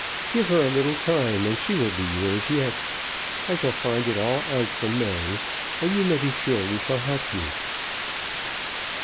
"Give her a little time, and she will be yours yet. I shall find it all out from Mary, and you may be sure we shall help you."